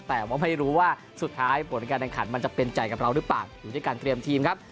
แต่ว่าไม่รู้ว่าสุดท้ายผลการแข่งขันมันจะเป็นใจกับเราหรือเปล่าอยู่ที่การเตรียมทีมครับ